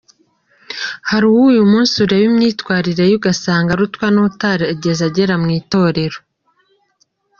Hari uwo uyu munsi ureba imyitwarire ye ugasanga arutwa n’ utarigeze agera mu itorero”.